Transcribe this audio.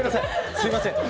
すみません。